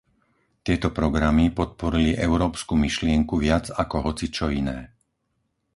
Tieto programy podporili európsku myšlienku viac ako hocičo iné.